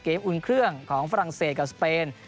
อุ่นเครื่องของฝรั่งเศสกับสเปน